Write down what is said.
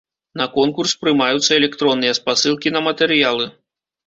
На конкурс прымаюцца электронныя спасылкі на матэрыялы.